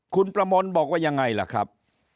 คุณประมนต์บอกว่ายังไงล่ะครับ